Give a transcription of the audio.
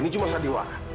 ini cuma sadiwara